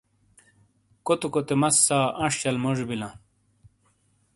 کوتے کوتے مسّا انش شل موجی بِیلاں۔